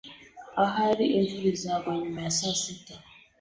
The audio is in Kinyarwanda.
Ahari imvura izagwa nyuma ya saa sita.